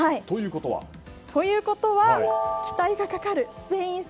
ということは、期待がかかるスペイン戦。